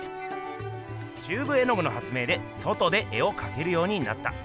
チューブ絵具の発明で外で絵をかけるようになった。